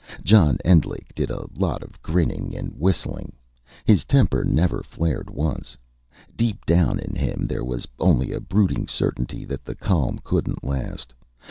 John Endlich did a lot of grinning and whistling. His temper never flared once. Deep down in him there was only a brooding certainty that the calm couldn't last.